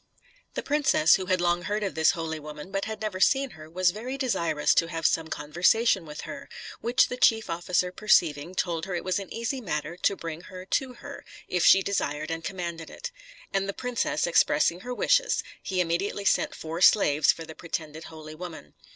The princess, who had long heard of this holy woman, but had never seen her, was very desirous to have some conversation with her; which the chief officer perceiving, told her it was an easy matter to bring her to her, if she desired and commanded it; and the princess, expressing her wishes, he immediately sent four slaves for the pretended holy woman.